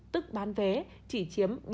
tức bán vé chỉ chiếm